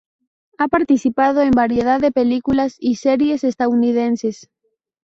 Ha participado en variedad de películas y series estadounidenses.